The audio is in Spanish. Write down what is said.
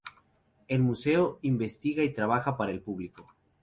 El museo investiga y trabaja para el público.